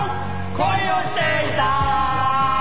「恋をしていた」